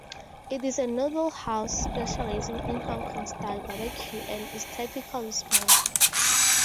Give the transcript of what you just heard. It is a noodle house specializing in Hong Kong-style barbecue and is typically small.